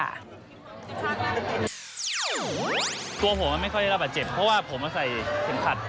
ตัวผมมันไม่ค่อยได้รับแบบเจ็บเพราะว่าผมเอาใส่เสียงพัด